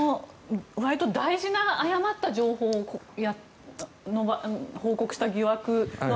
わりと大事な誤った情報を報告した疑惑。